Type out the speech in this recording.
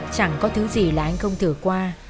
chẳng có thứ gì là anh không thử qua